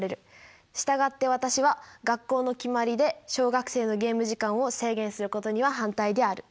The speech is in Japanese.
従って私は学校の決まりで小学生のゲーム時間を制限することには反対である。